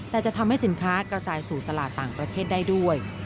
แต่จะทำให้สินค้ากระจายสู่ตลาดต่างประเทศได้ด้วย